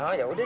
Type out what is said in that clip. oh ya udah